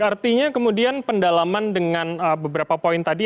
artinya kemudian pendalaman dengan beberapa poin tadi